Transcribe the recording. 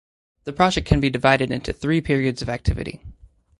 The project can be divided into three periods of activity.